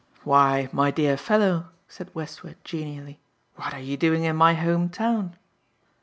"Why, my dear fellow," said Westward genially, "what are you doing in my home town?"